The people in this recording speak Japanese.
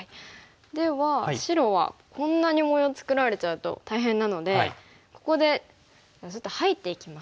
では白はこんなに模様を作られちゃうと大変なのでここでちょっと入っていきます。